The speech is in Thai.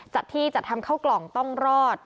จัดที่จัดทำเข้ากล่องต้องรอด